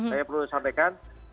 saya perlu sampaikan